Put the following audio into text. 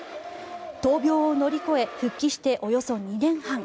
闘病を乗り越え、復帰しておよそ２年半。